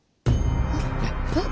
えっ！？